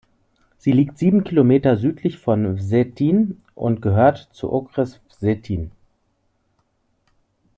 Sie liegt sieben Kilometer südlich von Vsetín und gehört zum Okres Vsetín.